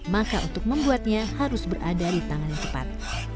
maka untuk membuatnya harus berada di tangan yang tepat